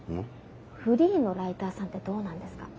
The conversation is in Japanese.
フリーのライターさんってどうなんですか？